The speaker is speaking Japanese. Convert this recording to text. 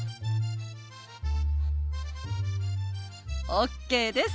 ＯＫです！